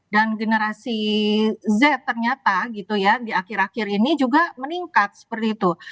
dan generasi z ternyata gitu ya di akhir akhir ini juga meningkat seperti itu